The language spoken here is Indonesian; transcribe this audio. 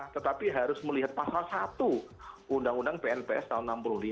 tetapi harus melihat pasal satu undang undang pnps tahun seribu sembilan ratus lima puluh